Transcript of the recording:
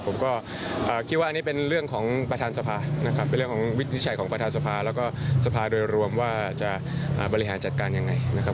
ผมก็คิดว่าอันนี้เป็นเรื่องของวิชัยของประธานทรภาและก็ทรภาโดยรวมว่าจะบริหารจัดการอย่างไร